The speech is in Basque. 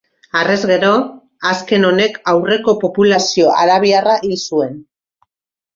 Harrez gero, azken honek aurreko populazio arabiarra hil zuen.